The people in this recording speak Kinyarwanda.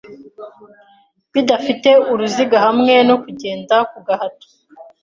bidafite uruziga hamwe noKugenda ku gahato